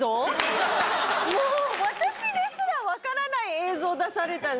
もう私ですらわからない映像出されたんですけど。